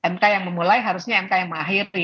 mk yang memulai harusnya mk yang mahir